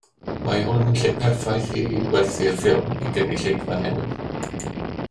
Mae hwn yn lle perffaith i werthu'r ffilm i gynulleidfa newydd